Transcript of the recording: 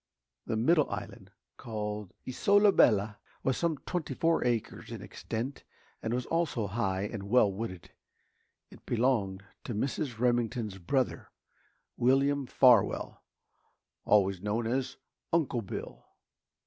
The middle island, called Isola Bella, was some twenty four acres in extent and was also high and well wooded. It belonged to Mrs. Remington's brother, William Farwell, always known as "Uncle Bill."